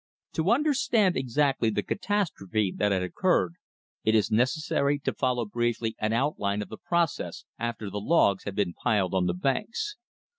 To understand exactly the catastrophe that had occurred, it is necessary to follow briefly an outline of the process after the logs have been piled on the banks.